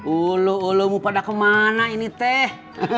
ulo ulumu pada kemana ini teh